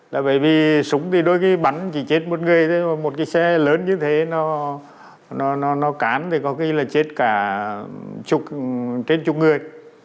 nếu như cái bắn chỉ chết một người thôi mà một cái xe lớn như thế nó cán thì có khi là chết cả trên chục người